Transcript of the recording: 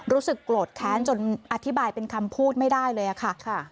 รู้สึกโกรธแค้นจนอธิบายเป็นคำพูดไม่ได้เลยค่ะ